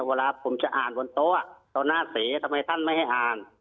เวลาผมจะอ่านบนโต๊ะต่อหน้าเสทำไมท่านไม่ให้อ่าน